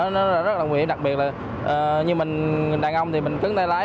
nó rất là nguy hiểm đặc biệt là như mình đàn ông thì mình cứng tay lái